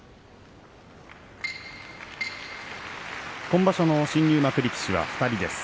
今場所の新入幕力士は２人です。